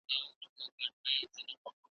چي هر څو به ښکاري زرک وکړې ککړي .